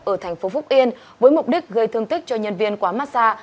ở thành phố phúc yên với mục đích gây thương tích cho nhân viên quá mát xa